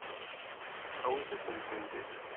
Awit-asen-tent-id.